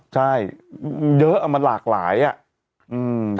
ใช่เยอะมันหลากหลายอ่ะ